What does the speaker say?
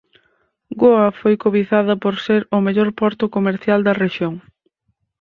Goa foi cobizada por ser o mellor porto comercial da rexión.